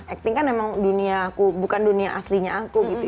acting kan emang dunia aku bukan dunia aslinya aku gitu